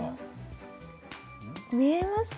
見えますか？